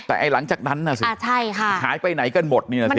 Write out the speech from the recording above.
แต่หลังจากนั้นน่ะสิหายไปไหนก็หมดเนี่ยนะสิ